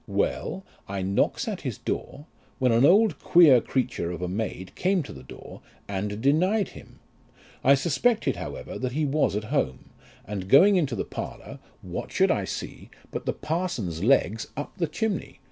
Well : I knocks at his door, when an old queer creature of a maid came to the door, and denied him. I suspected, however, that he was at home ; and going into the parlour, what should I see, but the parson's legs up the chimney, where his brother monarchs generally do.